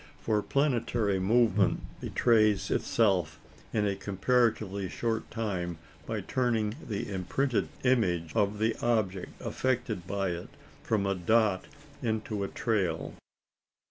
For planetary movement betrays itself in a comparatively short time by turning the imprinted image of the object affected by it from a dot into a trail.